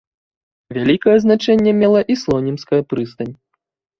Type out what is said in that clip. Вялікае значэнне мела і слонімская прыстань.